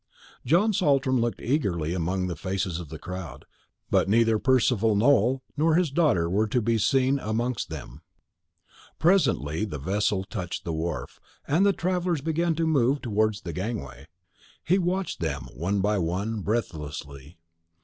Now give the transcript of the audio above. John Saltram looked eagerly among the faces of the crowd, but neither Percival Nowell nor his daughter were to be seen amongst them. Presently the vessel touched the wharf, and the travellers began to move towards the gangway. He watched them, one by one, breathlessly.